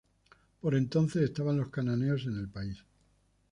Por entonces estaban los cananeos en el país.